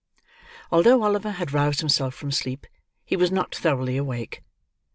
Although Oliver had roused himself from sleep, he was not thoroughly awake.